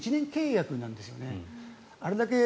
今年１年契約なんですよね。